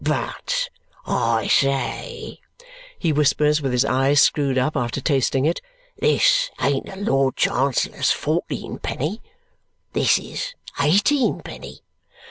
"But, I say," he whispers, with his eyes screwed up, after tasting it, "this ain't the Lord Chancellor's fourteenpenny. This is eighteenpenny!"